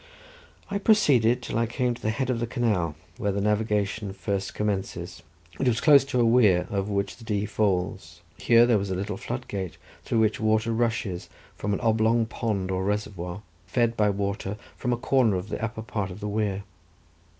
I proceeded till I came to the head of the canal, where the navigation first commences. It is close to a weir, over which the Dee falls. Here there is a little floodgate, through which water rushes from an oblong pond or reservoir, fed by water from a corner of the upper part of the weir.